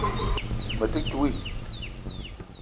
Me te ntouii